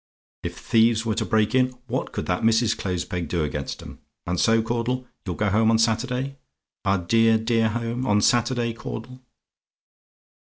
If thieves were to break in, what could that Mrs. Closepeg do against 'em? And so, Caudle, you'll go home on Saturday? Our dear dear home! On Saturday, Caudle?"